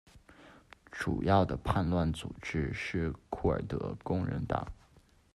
主要的叛乱组织是库尔德工人党。